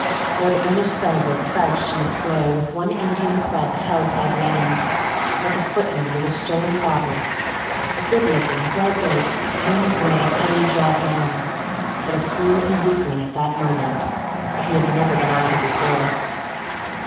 Lord Ernest Belville crouched in its glare with one Indian club held by the end, like a footman with a stolen bottle. A good looking, well built, iron gray, iron jawed man; but a fool and a weakling at that moment, if he had never been either before.